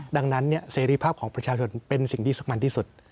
ดังนั้นเสรีภาพของประชาชนเป็นสิ่งที่สำคัญที่สุด